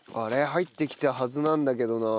入ってきたはずなんだけどな。